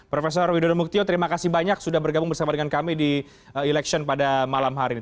profesor widodo muktio terima kasih banyak sudah bergabung bersama dengan kami di election pada malam hari ini